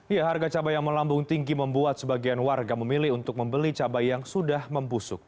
ya harga cabai yang melambung tinggi membuat sebagian warga memilih untuk membeli cabai yang sudah membusuk